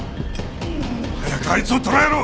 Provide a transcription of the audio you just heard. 早くあいつを捕らえろ！